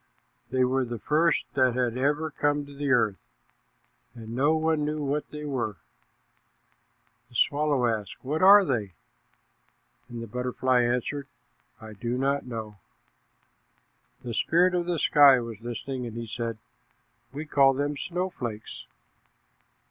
They were the first that had ever come to the earth, and no one knew what they were. The swallow asked, 'What are they?' and the butterfly answered, 'I do not know.' The spirit of the sky was listening, and he said, 'We call them snowflakes.'